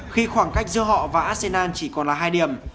khi khoảng cách giữa họ và arsenan chỉ còn là hai điểm